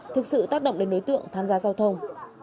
thực sự tác động đến đối tượng tham gia giao thông